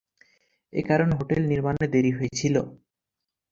এ কারণে হোটেল নির্মাণে দেরি হয়েছিল।